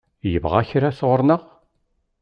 Yebɣa kra sɣur-neɣ?